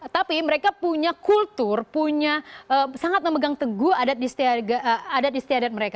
tapi mereka punya kultur punya sangat memegang teguh adat istiadat mereka